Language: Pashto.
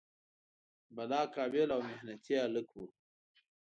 بلا قابل او محنتي هلک و.